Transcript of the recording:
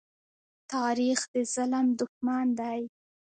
تاریخ د ظلم دښمن دی.